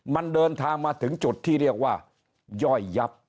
มันเดินทางมาถึงจุดที่เรียกว่าย่อยยับ